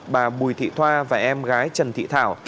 bà bùi thị thoa và em gái trần thị thảo